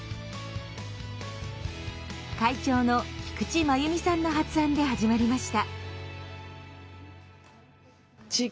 会長の菊池まゆみさんの発案で始まりました。